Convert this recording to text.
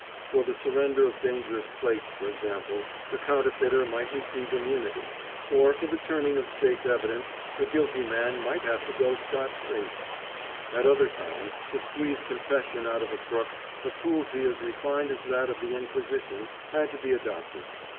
For the surrender of dangerous plates, for example, a counterfeiter might receive immunity, or for the turning of State's evidence a guilty man might have to go scott free. At other times, to squeeze confession out of a crook, a cruelty as refined as that of the Inquisition had to be adopted.